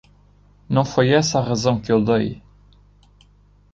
Não foi essa a razão que eu dei.